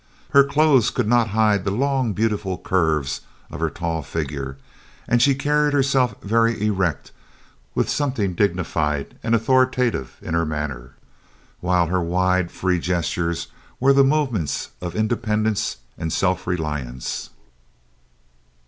Her clothes could not hide the long beautiful curves of her tall figure and she carried herself very erect, with something dignified and authoritative in her manner, while her wide free gestures were the movements of independence and self reliance.